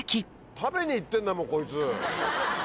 食べに行ってんだもんこいつ。